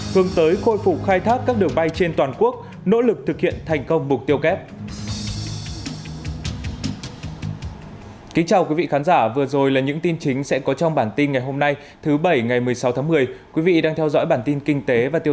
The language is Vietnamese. hướng tới khôi phục khai thác các đường bay trên toàn quốc nỗ lực thực hiện thành công mục tiêu kép